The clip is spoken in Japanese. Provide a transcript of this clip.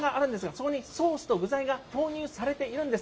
そこにソースと具材が投入されているんです。